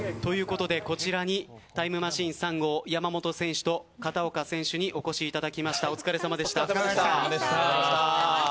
こちらにタイムマシーン３号、山本選手と片岡選手にお越しいただきました。